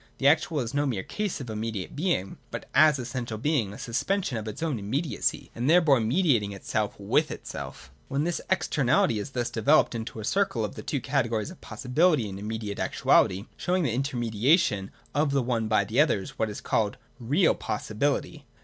The actual is no mere case of immediate Being, but, as essential Being, a suspension of its own immediacy, and thereby mediating itself with itself. 147.] (7) When this externality (of actuality) is thus developed into a circle of the two categories of possi bility and immediate actuality, showing the intermedia tion of the one by the other, it is what is called Real I47 ] NECESSITY. 267 Possibility.